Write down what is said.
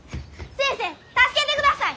先生助けてください！